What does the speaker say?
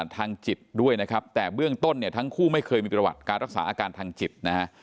ทางจิตด้วยนะครับแต่เบื้องต้นเนี่ยทั้งคู่ไม่เคยมีประวัติการรักษาอาการทางจิตนะฮะ